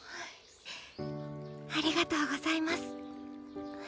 ありがとうございます